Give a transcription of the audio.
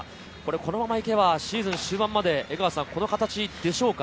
このまま行けばシーズン終盤まで江川さん、この形でしょうか？